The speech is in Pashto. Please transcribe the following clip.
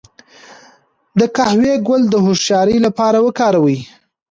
د قهوې ګل د هوښیارۍ لپاره وکاروئ